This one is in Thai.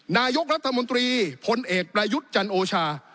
นายกรัฐมนตรีพลเอกประยุทธ์จันโอชา